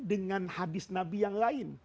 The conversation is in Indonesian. dengan hadis nabi yang lain